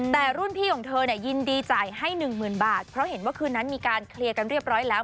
แต่รุ่นพี่ของเธอเนี่ยยินดีจ่ายให้หนึ่งหมื่นบาทเพราะเห็นว่าคืนนั้นมีการเคลียร์กันเรียบร้อยแล้ว